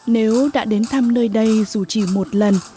nếu đã đến thăm nơi đây dù chỉ một lần